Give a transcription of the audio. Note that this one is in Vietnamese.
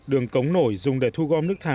đường cống nổi dùng để thu gom nước thải